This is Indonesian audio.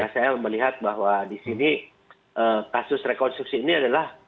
saya melihat bahwa di sini kasus rekonstruksi ini adalah